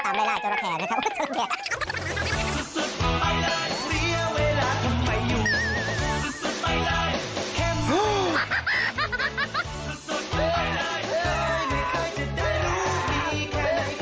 ตามไล่ไล่เจ้าระแข่นะครับ